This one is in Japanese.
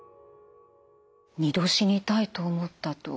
２度死にたいと思ったと。